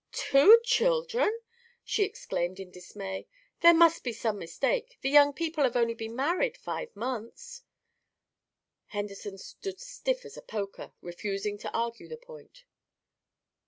"Two children!" she exclaimed in dismay. "There must be some mistake. The young people have only been married five months." Henderson stood stiff as a poker, refusing to argue the point.